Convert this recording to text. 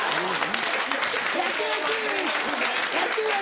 やってるやってる！